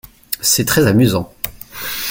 C’est très amusant.